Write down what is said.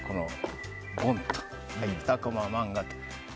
２コマ漫画です。